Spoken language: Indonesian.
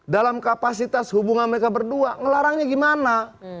dalam kapasitas hubungan mereka berdua ngelarangnya gimana